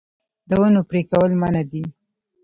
د ونو پرې کول منع دي